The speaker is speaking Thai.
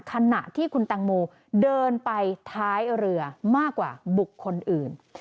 ขณะที่คุณแตงโมเดินไปท้ายเรือมากกว่าบุคคลอื่น